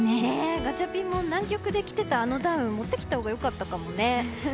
ガチャピンも南極で着てたあのダウン持ってきたほうがよかったかもね。